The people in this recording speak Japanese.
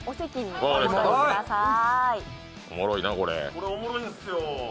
これ、おもろいんっすよ。